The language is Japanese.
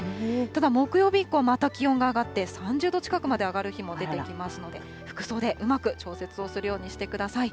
ただ木曜日以降はまた気温が上がって３０度近くまで上がる日も出てきますので、服装でうまく調節をするようにしてください。